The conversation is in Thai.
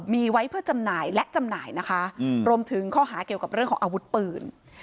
มีไว้เพื่อจำหน่ายและจำหน่ายนะคะรวมถึงข้อหาเกี่ยวกับเรื่องของอาวุธปืน